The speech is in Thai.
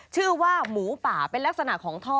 ชื่อว่าหมูป่าเป็นลักษณะของท่อ